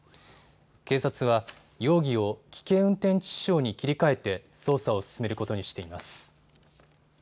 警察は容疑を危険運転致死傷に切り替えて捜査を進めることにしています。